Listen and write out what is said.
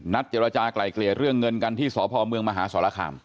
เจรจากลายเกลี่ยเรื่องเงินกันที่สพเมืองมหาสรคาม